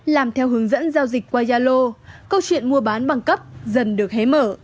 làm theo hướng dẫn giao dịch qua yalo câu chuyện mua bán bằng cấp dần được hé mở